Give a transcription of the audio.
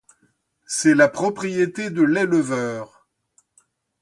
C'est la propriété de l'éleveur.